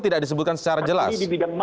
tidak disebutkan secara jelas